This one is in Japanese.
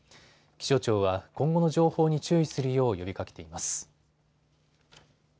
気象庁は今後の情報に注意するよう呼びかけています。